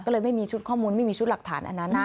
ก็เลยไม่มีชุดข้อมูลไม่มีชุดหลักฐานอันนั้นนะ